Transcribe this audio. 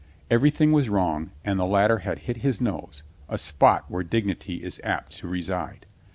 Every thing was wrong and the latter had hit his nose — a spot where dignity is apt to reside.